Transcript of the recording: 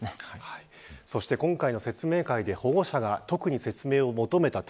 そして今回の説明会で保護者が特に説明を求めた点